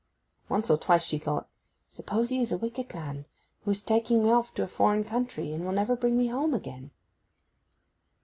Once or twice she thought, 'Suppose he is a wicked man, who is taking me off to a foreign country, and will never bring me home again.